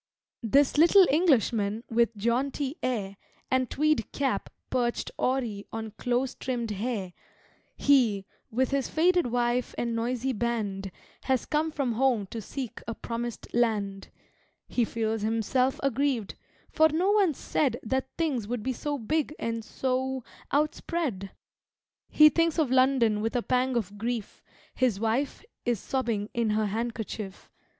This little Englishman with jaunty air And tweed cap perched awry on close trimmed hair He, with his faded wife and noisy band, Has come from Home to seek a promised land He feels himself aggrieved, for no one said That things would be so big and so outspread! He thinks of London with a pang of grief; His wife is sobbing in her handkerchief.